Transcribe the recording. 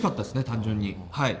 単純に。